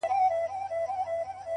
چي خپلي سپيني او رڼې اوښـكي يې”